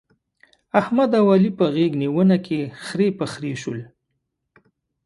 احمد او علي په غېږ نيونه کې خرې پر خرې شول.